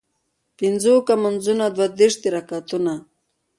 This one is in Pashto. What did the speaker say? پينځۀ اوکه مونځونه دوه دېرش دي رکعتونه